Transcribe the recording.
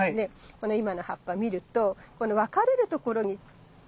この今の葉っぱ見るとこの分かれるところにちょっとよく見て。